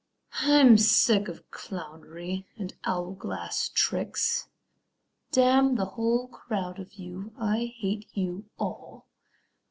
I'm sick of clownery and Owlglass tricks; Damn the whole crowd of you I I hate you all.